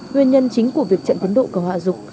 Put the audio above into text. nguyên nhân chính của việc chậm tiến độ cầu hạ dục